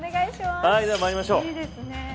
では、まいりましょう。